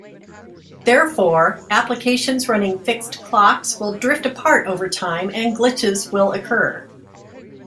Therefore, applications running fixed clocks will drift apart over time and glitches will occur.